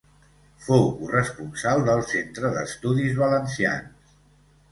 Fou corresponsal del Centre d'Estudis Valencians.